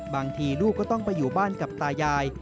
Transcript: บางทีลูกก็ต้องไปอยู่บ้านกับตายาย